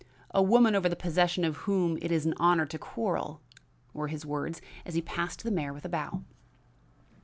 "A woman over the possession of whom it is an honor to quarrel!" were his words as he passed the mayor with a bow.